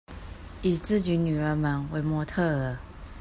以自己女兒們為模特兒